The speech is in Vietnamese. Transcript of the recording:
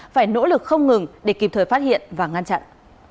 phải nỗ lực không ngừng để kịp thời phát hiện và ngăn chặn